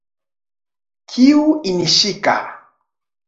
Kiu innishika